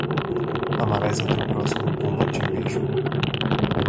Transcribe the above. Amarás o teu próximo como a ti mesmo.